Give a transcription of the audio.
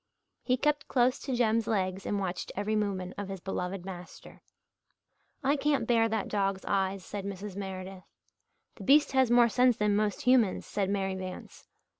He kept close to Jem's legs and watched every movement of his beloved master. "I can't bear that dog's eyes," said Mrs. Meredith. "The beast has more sense than most humans," said Mary Vance.